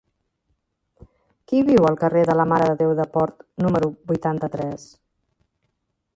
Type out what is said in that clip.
Qui viu al carrer de la Mare de Déu de Port número vuitanta-tres?